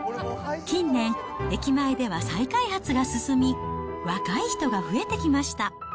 近年、駅前では再開発が進み、若い人が増えてきました。